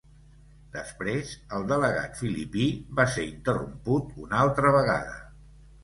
Després, el delegat filipí va ser interromput una altra vegada.